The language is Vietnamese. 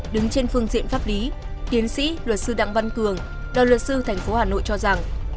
đứng trên phương diện pháp lý tiến sĩ luật sư đặng văn cường đoàn luật sư thành phố hà nội cho rằng